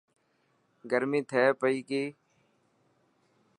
گرمي ٿي پئي ڪي.